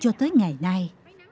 cho tới ngày nay